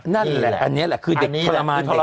นั่นแหละอันนี้แหละคือเด็กทรมานทร